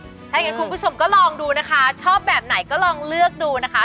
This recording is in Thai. ถ้าอย่างนั้นคุณผู้ชมก็ลองดูนะคะชอบแบบไหนก็ลองเลือกดูนะคะ